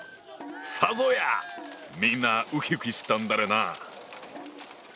さぞやみんなうきうきしたんだろうな。